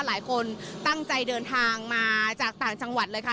หลายคนตั้งใจเดินทางมาจากต่างจังหวัดเลยค่ะ